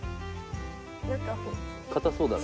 硬そうだな。